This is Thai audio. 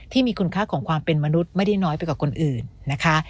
ที่มีคุณค่าของความเป็นมนุษย์ไม่ได้น้อยไปกว่าคนอื่นนะคะ